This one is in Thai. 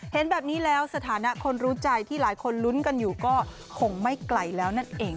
เห็นแบบนี้แล้วสถานะคนรู้ใจที่หลายคนลุ้นกันอยู่ก็คงไม่ไกลแล้วนั่นเอง